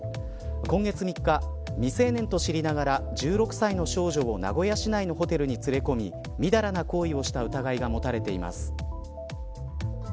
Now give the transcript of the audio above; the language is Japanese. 今月３日未成年と知りながら１６歳の少女を名古屋市内のホテルに連れ込みみだらな行為をした疑いが持たれています。